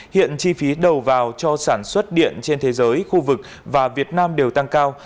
hiện chi phí đầu vào cho sản xuất điện trên thế giới khu vực và việt nam đều tăng cao